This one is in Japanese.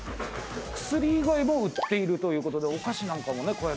薬以外も売っているということでお菓子なんかもねこうやって。